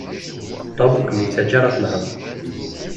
Tom ur kem-yettaǧǧa ara ad tnehreḍ.